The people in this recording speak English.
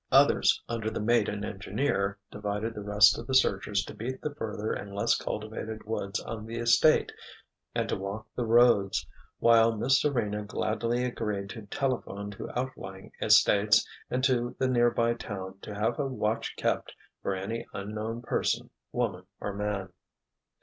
Others, under the mate and engineer, divided the rest of the searchers to beat the further and less cultivated woods on the estate and to walk the roads, while Miss Serena gladly agreed to telephone to outlying estates, and to the nearby town to have a watch kept for any unknown person, woman or man.